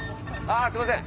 あすいません。